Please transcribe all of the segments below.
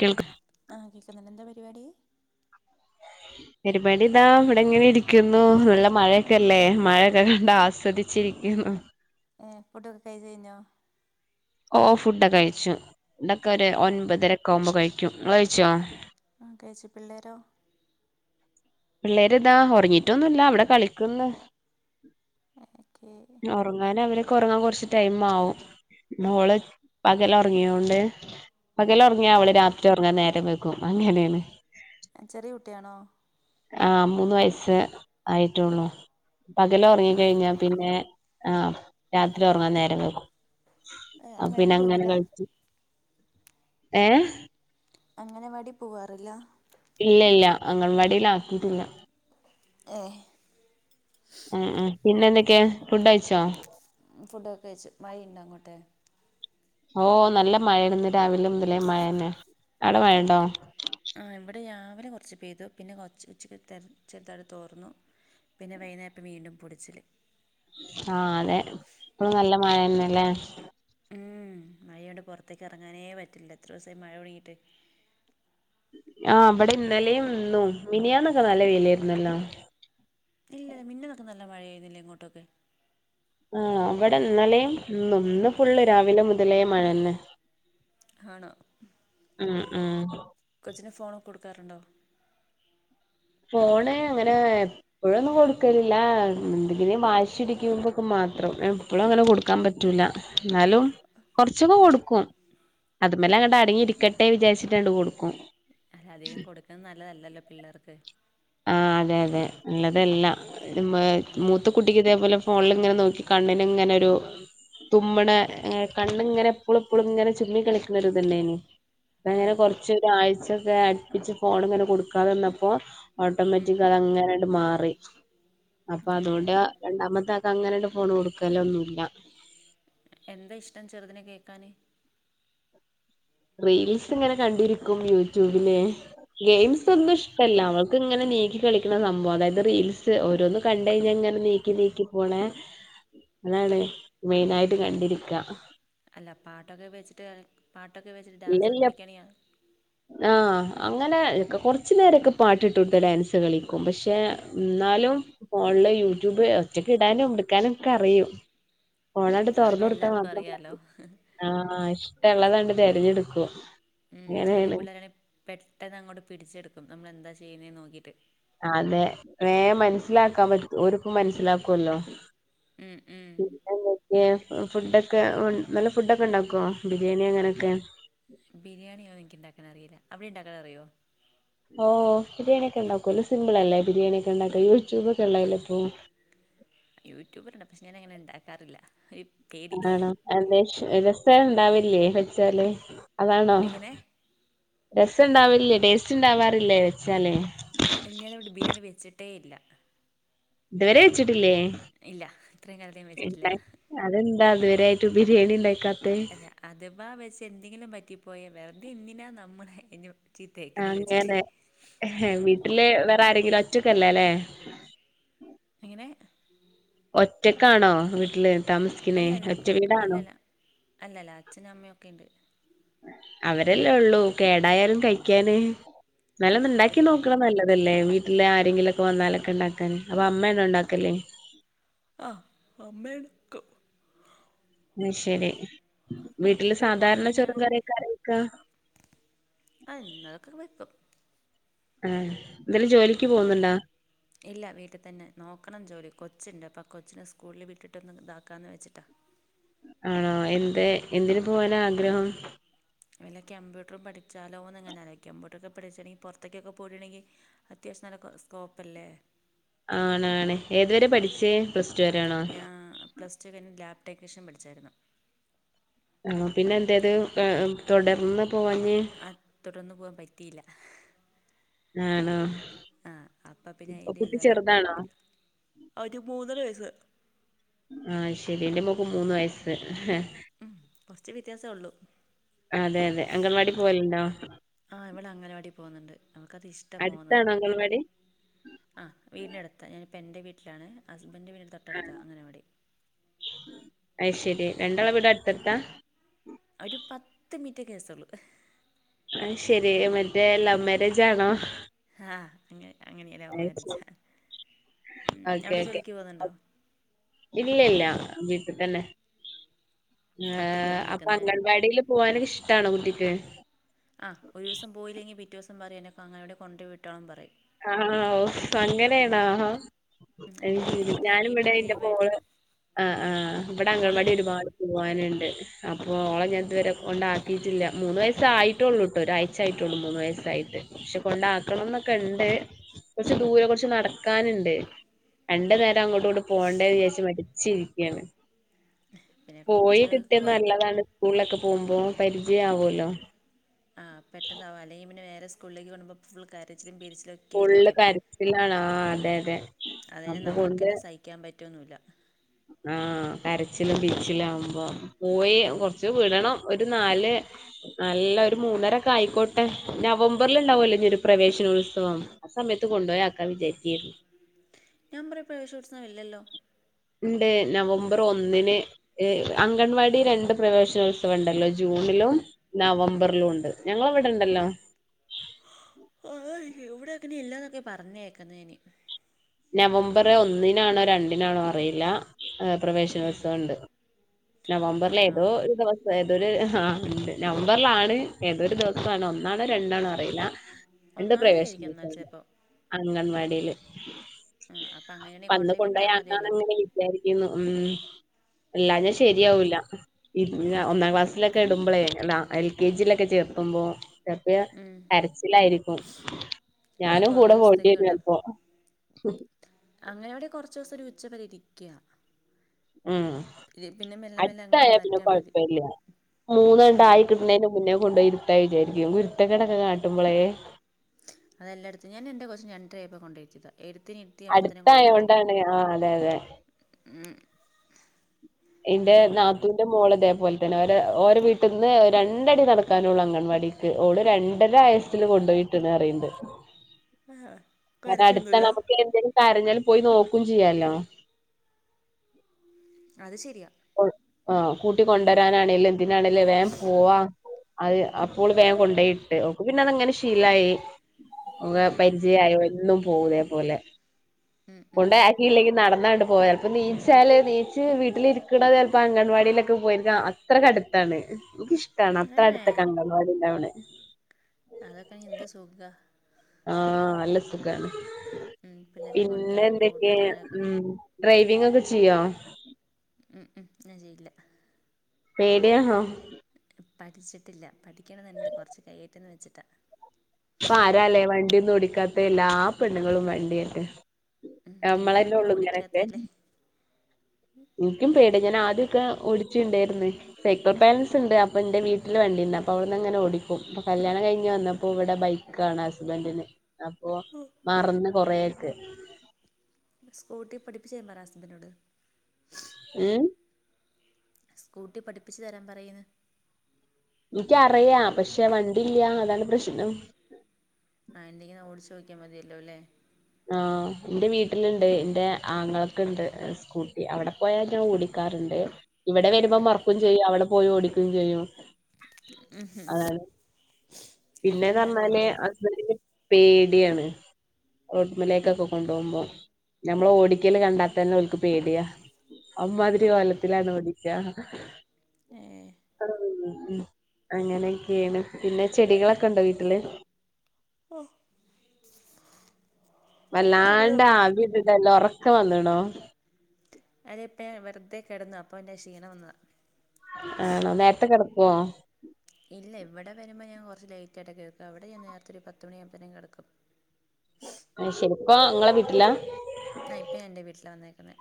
കേൾക്ക ആ കേക്കുന്നുണ്ട് എന്താ പരിപാടി പരിപാടിതാ ഇവിടെ എങ്ങനെ ഇരിക്കുന്നു നല്ല മഴയൊക്കെല്ലേ മഴൊക്കെ കണ്ട ആസ്വദിച്ചിരിക്കു എന്ന ഏ ഫുട്ടൊക്കെ കഴച്ചു കഴിഞ്ഞോ ഓ ഫുഡൊക്കെ കഴിച്ചു ടൊക്കെ ഒരു ഉം ഒൻപതരക്കെ ആകുമ്പോ കഴിക്കും ങ്ങള് കഴിച്ചോ പിള്ളരോ പിള്ളേര്താ ഉറങ്ങിട്ടൊന്നുല്ല അവിടെ കളിക്കന്ന് ഓക്കെ ഉറങ്ങാന അവരെ ഉറങ്ങാൻ കുറച്ച് ടൈം ആവും മോള് പകല ഉറങ്ങിയോണ്ട് പകല ഉറങ്ങിയ അവള് രാത്രി ഉറങ്ങാൻ നേരം വെക്കും അങ്ങനെയാണ് ചെറിയ കുട്ടിയാണോ ആ മൂന്ന് വയസ്സ് ആയിട്ടള്ളൂ പകല ആഹ് ഉറങ്ങിക്കഴിഞ്ഞ പിന്നെ ആഹ് രാത്രി ഉറങ്ങാൻ നേരം വെഗും ഏഹ് അ അങ്ങനവാടി പിന്നെ അങ്ങനെ പോകുന്നില്ല കഴിച്ചു ഏ അങ്ങനവാടി പോവാറില്ല ഇല്ല ഇല്ല അംഗൻവാടിൽ ആക്കിട്ടില്ല ഏ ഉം ഉം പിന്നെ എന്തൊക്കെ ഫുഡ് അയച്ചോ ഫുഡ്ക്കെ കച്ചു മഴ ഉണ്ടോ അങ്ങോട്ടെ ഓ നല്ല മഴ ഇന്ന് രാവിലെ മുതലേ മഴന്നെ അവിടെ മഴണ്ടോ ആ ഇവിടെ രാവിലെ കുറച്ച് പെയ്തു പിന്നെ കൊ ഉച്ചക്ക് ചെറുതായിട് തോർന്നു പിന്നെ വൈകുന്നേപ്പം വീണ്ടും പൊടിച്ചില് മഴന്നെല്ലേ ഉം മഴയണ്ട് പുറത്തേക്ക് ഇറങ്ങാനേ പറ്റില്ല എത്ര ദിവസമായി മഴ തൊടങ്ങിട്ട് ആഹ് അവിടെ ഇന്നലെയും ഇന്നും മിനിയാന്നൊക്കെ നല്ല വൈലായിരുന്നല്ലോ ഇല്ല ഇല്ല മിന്നതൊക്കെ നല്ല മഴ ആയിരുന്നില്ലേ ഇങ്ങോട്ടൊക്കെ ആ അവിടെന്നലെയും ഇന്ന് ഫുള്ള് രാവിലെ മുതലേ മഴന്നേ ആണോ കൊച്ചിന് ഫോണൊക്കെ കൊടുക്കാറുണ്ടോ ഫോണ് അങ്ങനെ എപ്പഴൊന്നും കൊടുക്കലില്ല എന്തെങ്കിലും വാശി ഇടിക്ക്പക്കെമാ ത്രം എപ്പോളും അങ്ങനെ കൊടുക്കാൻ പറ്റൂല എന്നാലും കൊറച്ചൊക്കെ കൊടുക്കും അത് മലെ ങ്ങട്ട അടങ്ങി ഇരിക്കട്ടെ വിചാരിച്ചിട്ട് അങ്ങട് കൊടുക്കും അല്ല അധികം കൊടുക്കുന്നത് നല്ലതല്ലല്ലോ പിള്ളേർക്ക് ആ അതെ അതെ ഉള്ളതല്ല മൂത്ത കുട്ടിക്ക് ഇതേപോലെ ഫോണിൽ ഇങ്ങനെ നോക്കി കണ്ണ് നങ്ങനെരു തുമ്മടെ കണ്ണ് ഇങ്ങനെ എപ്പോളും എപ്പോഴും ഇങ്ങനെ ചിമ്മി കളിക്കുന്നൊ ഒരു ഇത് ണ്ടായീനി അ അങ്ങനെ ഏഹ് കൊറച്ചൊരാഴ്ചൊക്കെ അടുപ്പിച്ച് ഫോൺ ഇങ്ങനെ കൊടുക്കാതെ വന്നപ്പോ ഉം ഓട്ടോമാറ്റിക് അത് അങ്ങനെയട്ട് മാറി അപ്പൊ ഏഹ് അതുകൊണ്ട് രണ്ടാമത്തെ അ അങ്ങനെണ്ട് ഫോണ് കൊടുക്കലോ ഒന്നുല്ല എന്താ ഇഷ്ടം ചെറുതിനെ കേക്കാന് റീൽസ് ഇങ്ങനെ കണ്ടിരിക്കും യൂട്യൂബില് ഗെയിംസ് ഒന്നും ഇഷ്ടമല്ല അവൾക്ക് ഇങ്ങനെ നീക്കി കളിക്കണ സംഭവം അതായത് റീൽസ് ഓരോന്ന് കണ്ട് കഴിഞ്ഞ ഇങ്ങനെ നീക്കി നീക്കി പോണെ അതാണ് മെയിന ആായിട്ട് കണ്ടിരിക്ക അല്ല പാട്ടൊക്കെ വെച്ചിട്ട് പാട്ടൊക്കെ വെച്ചിട്ട് ഡാൻസ്ക്കെ പിന്നെല്ല കളിക്കണിയാ അങ്ങനെക്കെ കുറച്ചു നേേരൊക്കെ പാട്ടിട്ട് കൊടുത്ത ഡാൻസ് കളിക്കും പക്ഷെ എന്നാലും യൂട്യൂബ് ഒറ്റക്ക് ഇടാനും എടുക്കാനും ഒക്കെ അറിയും ഫോൺ അങ്ങട്ട് അതിപ്പോ തുറന്ന് കൊടുത്താ എല്ലാർക്കും മാത്രമതി അറിയാലോ ആഹ് ഇഷ്ടള്ളതാണ്ട് തിരഞ്ഞെടുക്കും ഉം ചെറിയ പിളേരെങ്കിൽ പെട്ടെന്ന് അങ്ങോട്ട് പിടിച്ചെടുക്കും നമ്മൾെന്താ ചെയ്യുന്നേ നോക്കീട്ട് അതെ മനസിലാക്കല്ലോ ഉം ഉം പിന്നെ ന്തൊക്കെ ഫുഡ് ഒക്കെ ഫുഡ്ക്കെ ഉണ്ടാക്കുമോ ബിരിയാണി അങ്ങനെ ഒക്കെ ബിരിയാണിയോ ഇൻക്ക് ഉണ്ടാക്കാൻ അറിയില്ല അവിടെ ഉണ്ടാക്കാന അറിയോ ഓഹ ബിരിയാണി ഒക്കെ ഉണ്ടാക്കുമല്ലോ സിമ്പിൾ അല്ല ബിരിയാണി ഒക്കെ ഉണ്ടാക്കോ യൂട്യൂബ് ഒക്കെ ഉണ്ടായില്ലോ ഇപ്പൊ യൂട്യൂബറണ്ട് പക്ഷെ ഞാാന അങ്ങനെ ഉണ്ടാക്കാറില്ല പേടി ആണോ അ രസം ഉണ്ടാവില്ലേ വെച്ചാല് അതാണോ എങ്ങനെ രസംണ്ടാവില്ലേ ടേസ്റ്റ് ഉണ്ടാവാറില്ലേ വെച്ചാലേ അട്ടേയില്ല ഇതുവരെ വെച്ചിട്ടില്ലേ ഇത്രയും കാലത്ത് ഞാൻ വെച്ചിട്ടില്ല അതന്താ അതുവരെ ഇതുവരെയിട്ട് ബിരിണി ഉണ്ടായിക്ക അതെ അത്വാ വെച്ച് എന്തെങ്കിലും പറ്റിപ്പോയ വെറുതെ എന്തിനാ നമ്മള് ഇ അങ്ങനെ ഉം വീട്ടില് വേറെ ആരെങ്കിലും ഒറ്റക്കല്ലേ അല്ലേ എങ്ങനെ ഒറ്റക്കാണോ വീട്ടില് താമസിക്കുന്നേ അല്ലല്ല ഒറ്റ വീടാണോ അല്ലല്ല അല്ലല്ല അച്ഛനും അമ്മ ഒക്കെുണ്ട് അവരല്ലേ ഉള്ളൂ കേടായാലും കഴിക്കാന് അവർ നല്ലന്നുണ്ടാക്കി നോക്കണം നല്ല അല്ലേ വീട്ടിലെ ആരെങ്കിലുംക്കെ വന്നാലൊക്കെ ഉണ്ടാക്കാൻ അപ്പൊ അമ്മയാണോ ഉണ്ടാക്കല് ആഹ് അമ്മ ഉണ്ടാക്കും ആ ശരി വീട്ടില് പിന്നെ സാധാരണ പൊതുവെ ചെറും ഞങ്ങൾ കറിയൊക്കെ ആരാ വെക്ക എന്നന്തതൊക്കെ വെക്കും ആഹ ഉ ഇല്ല വീട്ടിൽ തന്നെ നോക്കണം ജോലി കൊച്ചുണ്ട് കൊച്ചിനെ സ്കൂളിൽ വിട്ടിട്ടൊന്ന് ഇതാക്കാന്ന് വെച്ചിട്ടാ ആണോ എന്ത എന്ന് പോവാനാ ആഗ്രഹം അല്ല കമ്പ്യൂട്ടർ പഠിച്ചാലോന്ന്ങ്ങനെയല്ലേ കമ്പ്യൂട്ടറൊക്കെ പഠിച്ചാലോ ന്നുങ്ങനെ ആലോചിക്ക കമ്പ്യൂട്ടർ പുറത്തേക്കൊക്കെ പോയിട്ടുണ്ടങ്കിൽ അയാവശ്യംനല്ല എ സ്കോപ്പല്ലേ ആണണ് ഏതുവരെ പഠിച്ചേ പ്ലസ് ടു വരെയാണോ ആണോ ഞാാന് പ്ലസ് ടു കഴിഞ്ഞഞ് ലാപ് ടെക്നീഷ്യൻ പഠിച്ചായിരുന്നു ആഹ പിന്നെ എന്തായത് തുടർന്ന് പോവാഞ്ഞേ ആ തുടന്നു പോവാൻ പറ്റിയില്ല ആണോ ആഹ അപ്പ പിന്നെ ഇപ്പൊ അയിന്റെ കുട്ടി ഇതായിപ്പോയി ചെറുതാണോ ഒരു മൂന്നര വയസ് ആഹ ശരി ഇന്റെ മോൾക്ക് മൂന്ന് വയസ്സ് ഉം കുറച്ച് വ്യത്യാസമ ഉള്ളു അതെ അതെ അംഗൻവാടി പോവലുണ്ടോ അവൾക്ക് ഇഷ്ടമാണ് അടുത്താണോ പോകുന്നത് അംഗൻവാടി ആ വീടിനടുത്താണ് ഞാനിപ്പോൾ എൻ്റെ വീട്ടിലാണ് ഹസ്ബൻഡ് വീടിന്റെ ആ തൊട്ടടുത്താ അംഗൻവാടി രണ്ടാള വീടാ അടുത്തടുത്ത ഒരു പത്ത് മിനറ്റ കേസൊള്ളു ഐശെരി മറ്റേ ലവ് മെരേജാണോ ആ അ അങ്ങനെലൗമേരേജാ ഓക്കെ ഓകെ ഒ ഇല്ല ഇല്ല വീട്ട്തന്നെ ഏ ഒറ്റയ്ക്കാണോ അപ്പ നിൽക്കുന്നത് അംഗൻവാടില് പോവാനിഷ്ട ട്ടാണോ കുട്ടിക്ക് ആ ഒരു ദിവസം പോയില്ലെങ്കി പിറ്റേ ദിവസം പറയും എന്നൊക്കെ അങ്ങനവാടി കൊണ്ട് വിട്ടോണം പറയും ആഹ ഓ അങ്ങനെണാ ഐ അങ്ങനെയാണ് ശെരി ഇവിടെ ഞാൻ വീട്ടിൽ ഞാന്ഇവടെ നിന്ന് ഇന്റെ ലീവായിട്ട് മോള് ആ ആ ഇവടെ മോള് അംഗൾവാടി ഒരുപാട് പോവാനുണ്ട് അപ്പോ ഓള ഞാൻ ഇതുവരെ കൊണ്ടാക്കിട്ടില്ല മൂന്ന് വയസ്സായിട്ടുള്ളൂ ട്ടോ ഒരാഴ്ച്ച ആയ്ട്ടൊള്ളൂ മൂന്ന് വയസ്സായിട്ട് പക്ഷെ കൊണ്ടാക്കണംന്നൊക്കെണ്ട് ണ്ട് കൊറച്ച് ദൂരെ കൊറച്ച് നടക്കാന്ണ്ട് രണ്ട്നേര അങ്ങോട്ടുംഇങ്ങോട്ടും പോണ്ടേ വിജാരിച്ച് മടിച്ചിരിക്ക്യാണ് [inaudible] പോയി കിട്ട്യാ കൊച്ചുകൾക്ക് നല്ലതാണ് സ്കൂളിലൊക്കെ പോകുമ്പോ പരിജയാവോല്ലോ ആ പെട്ടെന്നാവാലെ അല്ലെങ്കി പിന്നെ വേറെ സ്കളിലേക്ക് കേറൂമ്പോ ഫുൾ കരച്ചി ഫുള്ള് കരച്ചിലാണ് ആ അതെ അതെ അപ്പൊ കൊണ്ട് പറ്റൊന്നുമില്ല ആഹ കരച്ചിലും പിരിച്ചിലും ആമ്പോ പോയി കൊറച്ച് വിടണം ഒരു നാല് അല്ലൊരു മൂന്നരക്കായ്ക്കോട്ടെ നവംബർല്ണ്ടാവൊല്ലോ ഇനി ഒരു പ്രവേശനോത്സവം ആ സമയത്ത് കൊണ്ടോയാക്കാ വിജാരിക്യാര്ന്നു നവംബറി പ്രേവേശനോത്സവം ഇല്ലല്ലോ ണ്ട് നവംബർ ഒന്നിന് അംഗൻവാടി രണ്ട് പ്രവേശനോത്സവം ഉണ്ടല്ലോ ജൂണിൽ ലും നവംബറിലുണ്ട് ഞങ്ങള്വ്ടെണ്ടല്ലോ ആ ഇവടങ്ങനെ ഇല്ലന്നൊക്കെ പറഞ്കേക്കുന്നേനി നവംബർ ഒന്നിനാണോ രണ്ടിനാണോ അറിയില്ല പ്രവേശനോത്സവം ഇണ്ട് നവംബറിലെ ആണോ ഏതോ ഒരു ദിവസം ഏതൊര് ആ ഇണ്ട് നവമ്പർലാണ് ഏതൊരു ദിവസാണ് ഒന്നാണോ രണ്ടാണോ അറിയില്ല ണ്ട് ഒന്നാം തീയതി ആയിരിക്കും പ്രവേശനണ്ട് എന്നാൽ ചിലപ്പോൾ അംഗൻവാടില് അപ്പം അങ്ങനെയാണെങ്കിൽ വന്ന് കൊണ്ടുപോയി വിട്ടാൽ കൊണ്ടോയാക്കാന്ന് മതിയല്ലോ ങ്ങനെ വിജാരിക്കുന്നു ഉം... അല്ലാഞ്ഞാ ശരിയാവൂല്ല ഒന്നാം ക്ലാസ്സിലൊക്കെ ഇടുമ്പളേ അല്ലാ എൽ കെ ജിയിലൊക്കെ ചേർത്തുമ്പോ ചപ്പയ കരച്ചിലായിരിക്കും അത് ഞാനും കുറേ കൂടെ ദിവസത്തേക്ക് പോണ്ടിരും വിടാം ചെൽപ്പോ ഉം ഉച്ചവരെ ഇരിക്ക ആഹ അങ്ങനെ അട്ത്തായ പിന്നെ മാറ്റിയാൽ മതി കൊഴ്പ്പല്ല്യാ മൂന്ന്ണ്ടായി കിട്ട്ണെന് മുനം കൊണ്ടോയ് ഇരുത്താ വിചാരിക്കും കുരുത്തക്കെടൊക്കെ കാട്ടുമ്പളേ അതെല്ലായിടത്തും ഞാൻ എന്റെ കൊച്ചിനെ രണ്ട്രാ ആയപ്പോ കൊണ്ടോയ്രിത്തിയതാ അടുത്തായോണ്ടാണ് ആ അതെ അതെ ഉ എന്റെ നാത്തൂന്റെ മോളെ ഇതേപോലെ ഓര ഓരവീട്ട്ന്ന് രണ്ടടി നടക്കാനൊള്ളു അംഗൻവാടിക്ക് ഓള് രണ്ടര വയസ്സിൽ കൊണ്ടോയി ട്ട്ണ് അറിയിണ്ട് ആഹ കാരണം അട്താണ് നമുക്ക് ഏന്തേലും കരഞ്ഞാല് പോയി നോക്കും ചെയ്യാലോ അത് ശരിയ ആ കൂട്ടി കൊണ്ടോരാനാണേലും എന്തിനാണേലും വേംപൊവാ അത് അപ്പോൾ വേഗ കൊണ്ടോയിട്ട് ഓൾക്ക് പിന്നതങ്ങനെ ശീലായി അങ്ങ പരിചയയോ എന്നും പോകും ഇതേ പോലെ കൊണ്ടക്കിയില്ലെങ്കി നടന്നാണ്ട് പോയ അപ്പൊ നീച്ചാല് നീച്ച് വീട്ടിലി ചിലപ്പോ അംഗൻവാടിയിലൊക്കെ പോയിരിക്ക അത്രക്കടുത്താണ് എനിക്കിഷ്ടം ഷ്ട്ടമാണ്. ഏ അത്ര അടുത്തൊക്കെ അംഗനവാടി ണ്ടാക്കുന്നെ അതൊക്കെണീ എന്ത് സുഖ ആഹ നല്ല സുഖമാണ് ഉം പിള്ളേരെ പിന്നെ കൊണ്ടുവരാനും എന്തൊക്കെ കൂട്ടാനൊക്കെ ഉ ഡ്രൈവിംഗ ഒക്കെ ചെയ്യോ ഉം ഉം ഞാ ചെയ്യില്ല പേടിയാണോ പഠിച്ചിട്ടില്ല പഠിക്കണം എന്നുണ്ട് കുറച്ച് കൈയട്ടെന്ന് വെച്ചിട്ടാ ക്കാത്ത എല്ലാ പെണ്ണുങ്ങളും വണ്ടിയട്ടെ ഉം എന്ത് നമ്മളെല്ലേ വണ്ടിയാ ഉള്ളു ഇങ്ങനെയൊക്കെ ഓടിക്കാത്തതല്ലേ എനിക്കും പേടി ഞാൻ ആ ഇതൊക്കെ ഓടിച്ചിണ്ടായിരുന്നു സൈക്കിൾ ബാലൻസ് ഉണ്ട് അപ്പ എന്റെ വീട്ടില് വണ്ടിന്ന് അപ്പ അവിടുന്ന്ങ്ങന ഓടിക്കും അപ്പ കല്യാ കഴിഞ്വന്നപ്പോ ഇവിടെ ബൈക്കാണ് ഹസ്ബൻഡിന് അപ്പൊ മറന്ന് കൊറൊക്കെ സ്കൂട്ടി പഠിപ്പ് ചെയ്യഹസ്ബൻഡ് നോട് ഉം സ്കൂട്ടി പഠിപ്പിച്ചു തരാൻ പറയുന്നു എനിക്കറിയ പക്ഷെ വണ്ടില്ല അതാണ് പ്രശ്നം ആഹ് എന്തെങ്കില നാ ഓടിച്ചൊക്കിയാൽ മതിയല്ലോ അല്ലേ ആ എന്റെ വീട്ടിലുണ്ട് എൻറെ ആങ്ങളൊക്കെ ഉണ്ട് സ്കൂട്ടി അവിടെ പോയാൽ ഞാൻ ഓടിക്ക ണ്ട് ഇവിടെ വരുമ്പോ മറക്കും ചെയ്യും അവിടെ പോയി ഓടിക്കുകയും ചെയ്യോ അത ഏറ്റവും പിന്നെന്ന് പറഞ്ഞാല് നല്ലതല്ലേ അ പേ ടി യാണ് റോട്ടിമലേക്കൊക്കെ കൊണ്ടുപോകുമ്പോ നമ്മൾ ഓടിക്കല് കണ്ടാ തന്നെ ഒൽക്ക് പേടിയാ അമ്മാതിരി കൊല്ലത്തിലാണ് ഓടിക്ക ഏ ഉ അങ്ങനെയൊക്കെയാണ് പിന്നെ ചെടികളൊക്കെ ഉണ്ടോ വീട്ടില് ഓഹ് വല്ലാണ്ട് ചെടികളൊക്കെ ആവിത ഇതെല്ല ഉറക്കം വന്നണോ അതിപ്പം ഞാൻ വെറുതെ കിടന്നു അപ്പൊ എന്റെ ക്ഷീണം വന്നതാ ആണോ നേരത്തെ കിടക്കുവോ കുറ ലൈറ്റ് ആയിട്ട് കിടക്ക അവിടെ ഞാ നേരത്തെ ഒരു പത്തു മണിയുമ്പഴത്തേും കടക്കും ശരിപ്പ നിങ്ങളെ വീട്ടിലാ ആ ഇപ്പൊ ഞാ എന്റെ വീട്ടില വന്നേക്കുന്ന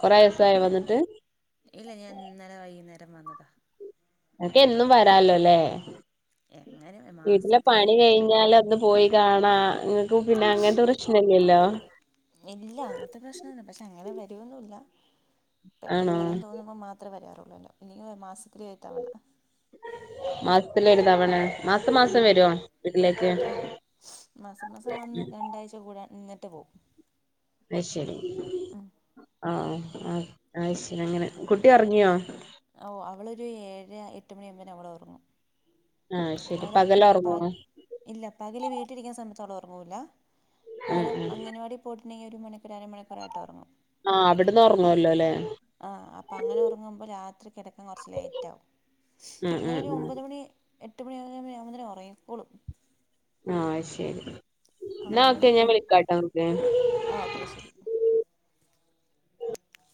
ഉ ഇല്ല ഞാൻ ഇന്നേലെ വൈകുന്നേരം വന്നതാ അക്ക എന്നും വരാലോല്ലേ എങ്ങനെ വീട്ടലെ മാസത്തില് പണി കഴിഞ്ഞാല അന്ന് പോയി കാണാം പിന്നെ അങ്ങനത്തെ പ്രശ്നല്ലേല്ലോ ഇല്ല അങ്ങനത്തെ പ്രശ്നുണ്ട് പക്ഷെ അങ്ങനെ വരൊന്നുംല്ല പെട്ടെന്ന് ആണോ വരാൻ തോന്നുമ്പോ മാത്രമേ വരാറുള്ളൂല്ലോ ഇനി മാസത്തിലേ ആയി തവണ മാസത്തില ഒരുഴുതവണ മാസം മാസം വരുമോ വീട്ടിലേക്ക് ആ പോവും അ ശരി ആഹ ആ ആ ശരി അങ്ങനെ കുട്ടി ഇറങ്ങിയോ ഓ അവളൊരു ഏഴ് എട്ട മണി ആവുമ്പേ അവൾ ഉറങ്ങും ആഹ് ശരി അവവിടെ പകല് പ ഒറങ്ങോ ആഹ് ഇല്ല പകല് വീട്ടിലിരിക്കൻ സമയത്ത് അവൾ ഉറങ്ങൂല്ല പകരം ആഹ് അംഗൻവാടി പോയിട്ടണ്ടെങ്കിൽ ഒരു മണിക്കൂർ അരമണിക്കൂർ ആഹ് അവിടന്ന് ഉറങ്ങുവല്ലോ അല്ലേ ആഹ് അപ്പൊ അങ്ങനെ ഉറങ്ങുമ്പോ രാത്രി കിട ക്കാൻ കുറച്ച് ലേറ്റ് ആകും ഉം ഇന്നല ഉം ഒരു ഉം ഒമ്പത് മണി എട്ട് മണിയാക്പുമോ ആകുമ്പേ ഉറങ്ങക്കോളും ആഹ് ശരി എന്നാ അംഗൻവാടി ഒക്കെ ഞാൻ പോയി വിളിക്കട്ടോ നിങ്ങക്ക് ആ ഓക്കെ ശരി